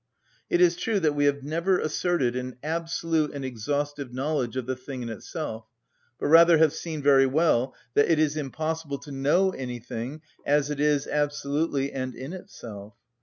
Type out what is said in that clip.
It is true that we have never asserted an absolute and exhaustive knowledge of the thing in itself, but rather have seen very well that it is impossible to know anything as it is absolutely and in itself.